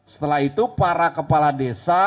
setelah itu para kepala desa